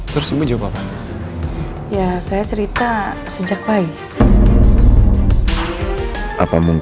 jadi aku sudah tanya sama ibu